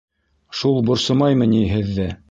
Шул борсомаймы ни һеҙҙе?